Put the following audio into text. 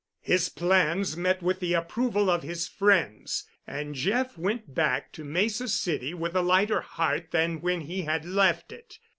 His plans met with the approval of his friends, and Jeff went back to Mesa City with a lighter heart than when he had left it.